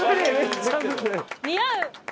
似合う！